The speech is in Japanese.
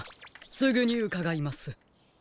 すぐにうかがいます。